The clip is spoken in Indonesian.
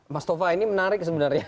mas tova ini menarik sebenarnya